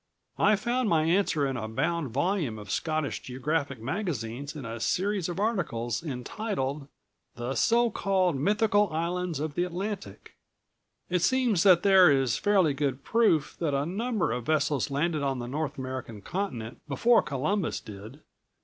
I found my answer in a bound volume of Scottish Geographic Magazines in a series of articles entitled 'The So Called Mythical Islands of the Atlantic.' "It seems that there is fairly good proof that a number of vessels landed on the North American continent before Columbus did.